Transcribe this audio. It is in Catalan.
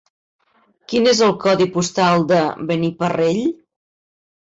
Quin és el codi postal de Beniparrell?